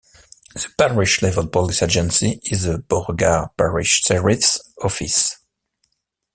The parish level police agency is the Beauregard Parish Sheriff's Office.